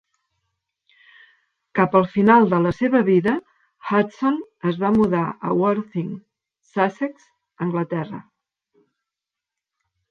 Cap al final de la seva vida, Hudson es va mudar a Worthing, Sussex (Anglaterra).